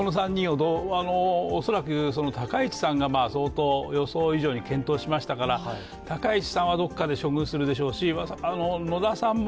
恐らく、高市さんが予想以上に健闘しましたから高市さんはどこかで処遇するでしょうし、野田さんも